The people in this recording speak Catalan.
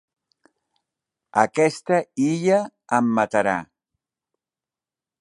Aquesta illa em matarà.